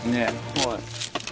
はい。